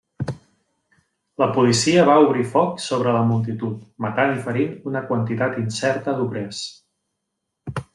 La policia va obrir foc sobre la multitud, matant i ferint una quantitat incerta d'obrers.